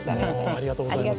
ありがとうございます。